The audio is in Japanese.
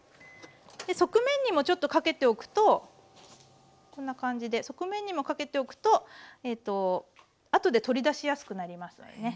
側面にもちょっとかけておくとこんな感じで側面にもかけておくとあとで取り出しやすくなりますのでね